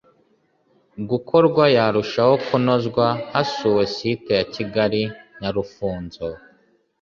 gukorwa yarushaho kunozwa hasuwe site ya Kigali Nyarufunzo